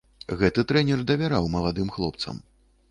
Гэты трэнер давяраў маладым хлопцам.